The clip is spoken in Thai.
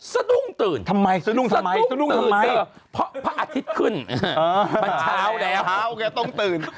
สะดุ้งตื่นทำไมสะดุ้งทำไมสะดุ้งทำไมเพราะพระอาทิตย์ขึ้นมันเช้าแล้วเช้าแกต้องตื่น